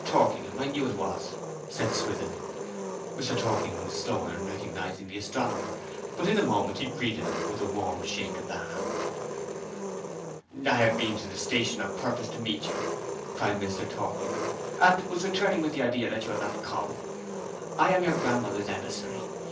Torkingham! I knew it was,' said Swithin. Mr. Torkingham was slower in recognizing the astronomer, but in a moment had greeted him with a warm shake of the hand. 'I have been to the station on purpose to meet you!' cried Mr. Torkingham, 'and was returning with the idea that you had not come. I am your grandmother's emissary.